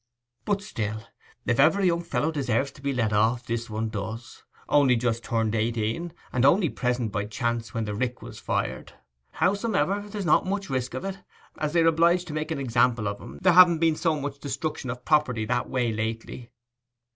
But still, if ever a young fellow deserved to be let off, this one does; only just turned eighteen, and only present by chance when the rick was fired. Howsomever, there's not much risk of it, as they are obliged to make an example of him, there having been so much destruction of property that way lately.